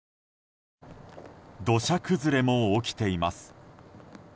土砂崩れも起きています。